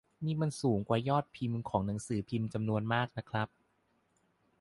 นี่มันสูงกว่ายอดพิมพ์ของหนังสือพิมพ์จำนวนมากนะครับ